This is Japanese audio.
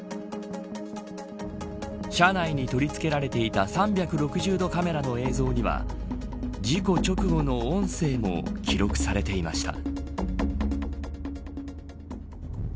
車内に取り付けられていた３６０度カメラの映像には事故直後の音声も記録されていました。